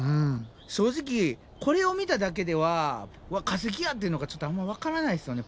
正直これを見ただけでは「わっ化石や！」っていうのがちょっとあんまわからないですよね